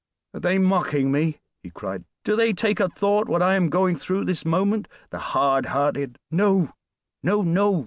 "Are they mocking me?" he cried. "Do they take a thought what I am going through this moment, the hard hearted " "No, no, no!"